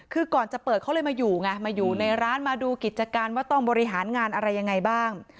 คือก่อนจะเปิดเขาเลยมาอยู่ไงมาอยู่ในร้านมาดูกิจการว่าต้องบริหารงานอะไรยังไงบ้าง